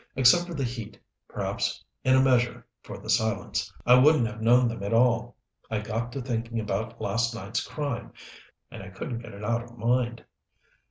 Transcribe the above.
Except for the heat, perhaps in a measure for the silence, I wouldn't have known them at all. I got to thinking about last night's crime, and I couldn't get it out of mind.